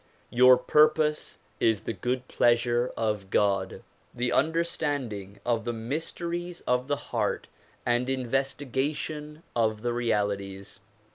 Your purpose is the good pleasure of God, the understanding of the mysteries of the heart and investigation of the realities.